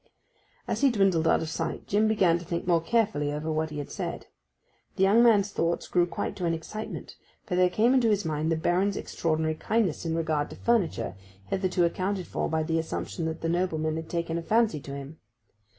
As he dwindled out of sight Jim began to think more carefully over what he had said. The young man's thoughts grew quite to an excitement, for there came into his mind the Baron's extraordinary kindness in regard to furniture, hitherto accounted for by the assumption that the nobleman had taken a fancy to him.